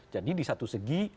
jadi di satu segi